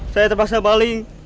saya terpaksa baling